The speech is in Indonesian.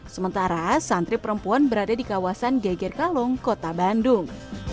sementara santri perempuan berada di kawasan geger kalong kota bandung